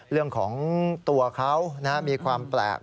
เรื่องของตัวเขามีความแปลก